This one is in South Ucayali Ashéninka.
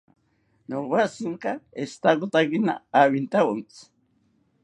Nowatzinka eshitakotakina awintawontzi